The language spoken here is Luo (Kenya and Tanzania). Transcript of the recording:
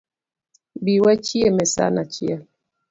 Bi wachiem e san achiel